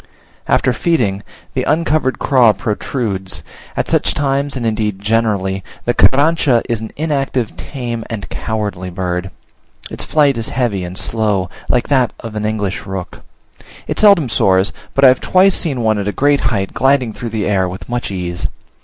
After feeding, the uncovered craw protrudes; at such times, and indeed generally, the Carrancha is an inactive, tame, and cowardly bird. Its flight is heavy and slow, like that of an English rook. It seldom soars; but I have twice seen one at a great height gliding through the air with much ease.